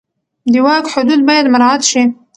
د واک حدود باید مراعت شي.